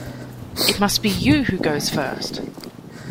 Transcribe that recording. It must be you who goes first!